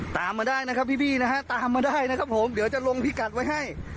ตามมาได้นะครับพี่นะฮะตามมาได้นะครับผมเดี๋ยวจะลงพิกัดไว้ให้